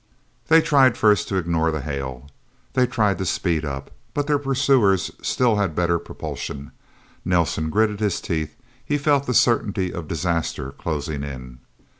They tried first to ignore the hail. They tried to speed up. But their pursuers still had better propulsion. Nelsen gritted his teeth. He felt the certainty of disaster closing in.